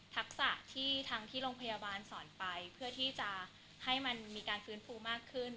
ทักษะที่ทางที่โรงพยาบาลสอนไปเพื่อที่จะให้มันมีการฟื้นฟูมากขึ้น